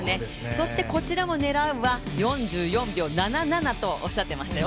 そしてこちらも狙うは４４秒７７とおっしゃってましたよ。